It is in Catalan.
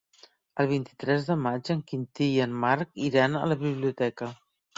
El vint-i-tres de maig en Quintí i en Marc iran a la biblioteca.